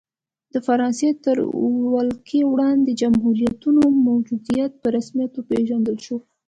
د فرانسې تر ولکې لاندې جمهوریتونو موجودیت په رسمیت وپېژندل شو.